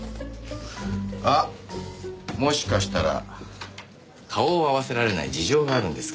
あっもしかしたら顔を合わせられない事情があるんですか？